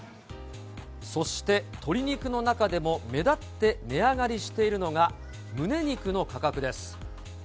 そして鶏肉の中でも目立って値上がりしているのが、むね肉の価格です。